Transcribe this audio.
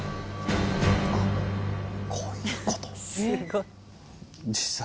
あっこういうこと？